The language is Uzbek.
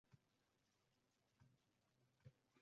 Adirga yetishgach arslon jilovni tortdi